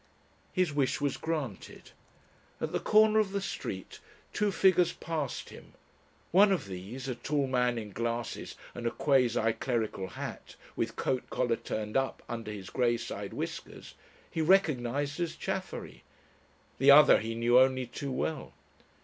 His wish was granted. At the corner of the street two figures passed him; one of these, a tall man in glasses and a quasi clerical hat, with coat collar turned up under his grey side whiskers, he recognised as Chaffery; the other he knew only too well.